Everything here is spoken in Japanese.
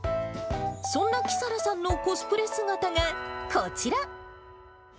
そんなきさらさんのコスプレ姿がこちら。